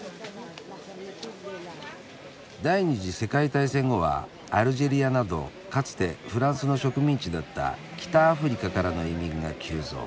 「第二次世界大戦後はアルジェリアなどかつてフランスの植民地だった北アフリカからの移民が急増。